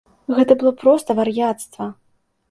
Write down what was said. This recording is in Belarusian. Гэта было проста вар'яцтва!